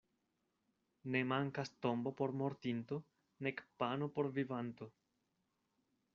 Ne mankas tombo por mortinto nek pano por vivanto.